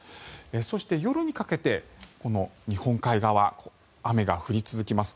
そして、夜にかけてこの日本海側雨が降り続きます。